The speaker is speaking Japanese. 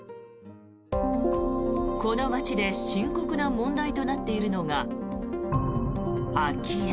この町で深刻な問題となっているのが空き家。